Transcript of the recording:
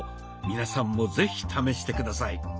皆さんも是非試して下さい。